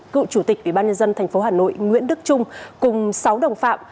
cựu chủ tịch ủy ban nhân dân tp hà nội nguyễn đức trung cùng sáu đồng phạm